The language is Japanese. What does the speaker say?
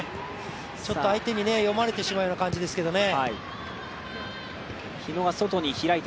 ちょっと相手に読まれてしまうような感じですけどね。